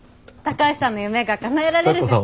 高橋さんの夢がかなえられる。